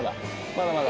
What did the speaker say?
まだまだ。